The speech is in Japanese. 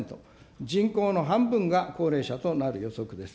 人口の半分が高齢者となる予測です。